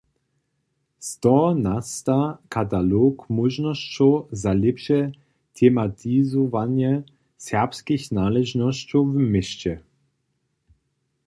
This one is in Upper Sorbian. Z toho nasta katalog móžnosćow za lěpše tematizowanje serbskich naležnosćow w měsće.